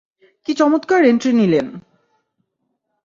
কি চমৎকার এন্ট্রি নিলেন!